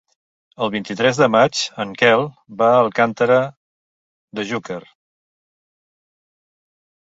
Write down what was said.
El vint-i-tres de maig en Quel va a Alcàntera de Xúquer.